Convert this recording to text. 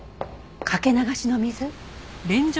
かけ流しの水？